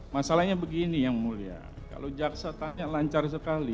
masalahnya begini yang mulia kalau jaksa tanya lancar sekali